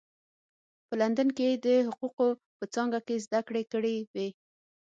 په لندن کې یې د حقوقو په څانګه کې زده کړې کړې وې.